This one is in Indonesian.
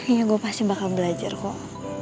iya gue pasti bakal belajar kok